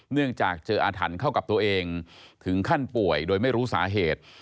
เนื่องจากเจออาถรรพ์เข้ากับตัวเองถึงขั้นป่วยโดยไม่รู้สาเหตุ